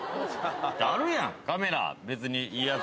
あるやん、カメラ、別にいいやつ。